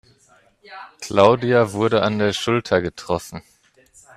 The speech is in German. Claudia wurde an der Schulter getroffen.